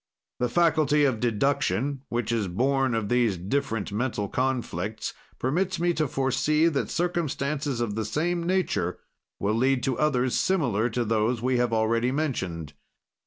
"The faculty of deduction, which is born of these different mental conflicts, permits me to foresee that circumstances of the same nature will lead to others similar to those we have already mentioned.